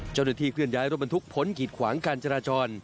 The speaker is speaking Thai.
เจ้าหนุ่นที่เคลื่อนย้ายรถบรรทุกพ้นกีดขวางการจราจร